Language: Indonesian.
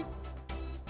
selamat malam mbak buspa